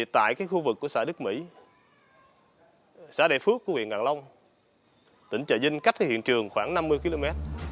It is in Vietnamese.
tại khu vực của xã đức mỹ xã đại phước của huyện đàng long tỉnh trà vinh cách hiện trường khoảng năm mươi km